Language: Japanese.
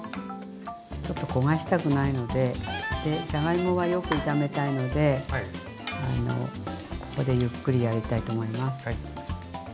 ちょっと焦がしたくないのででじゃがいもはよく炒めたいのでここでゆっくりやりたいと思います。